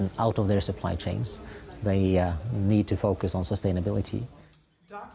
mereka harus berfokus pada kesehatan